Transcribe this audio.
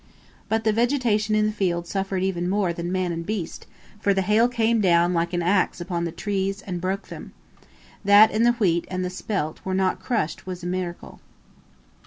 But the vegetation in the field suffered even more than man and beast, for the hail came down like an axe upon the trees and broke them. That the wheat and the spelt were not crushed was a miracle.